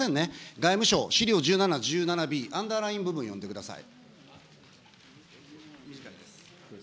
外務省、資料１７、１７Ｂ、アンダーライン部分読んでください。